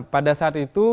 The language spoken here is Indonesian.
pada saat itu